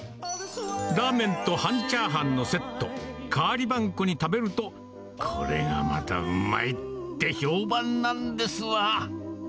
ラーメンと半チャーハンのセット、代わりばんこに食べると、これがまたうまいって評判なんですわ。